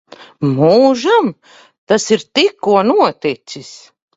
Mūžam? Tas ir tikko noticis.